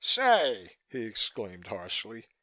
"Say!" he exclaimed harshly.